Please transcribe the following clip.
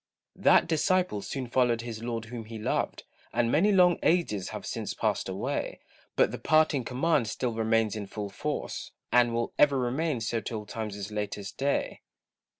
That disciple soon followed his Lord whom he loved, And many long ages have since passed away; But the parting command still remains in full force, And will ever remain so till time's latest day.